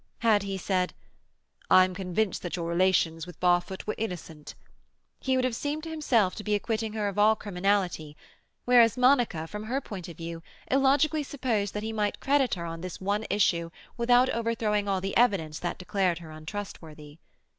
Had he said, "I am convinced that your relations with Barfoot were innocent," he would have seemed to himself to be acquitting her of all criminality; whereas Monica, from her point of view, illogically supposed that he might credit her on this one issue without overthrowing all the evidence that declared her untrustworthy.